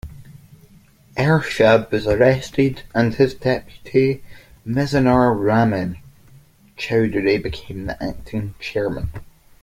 Ershad was arrested, and his deputy, Mizanur Rahman Chowdhury became the acting chairman.